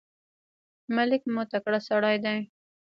ملک مو تکړه سړی دی.